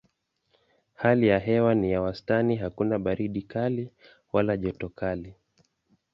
Hali ya hewa ni ya wastani hakuna baridi kali wala joto kali.